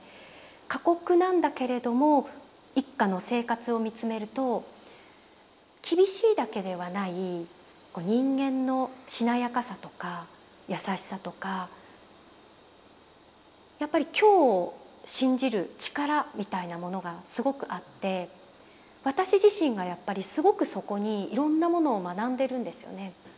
過酷なんだけれども一家の生活をみつめると厳しいだけではない人間のしなやかさとか優しさとかやっぱり今日を信じる力みたいなものがすごくあって私自身がやっぱりすごくそこにいろんなものを学んでるんですよね。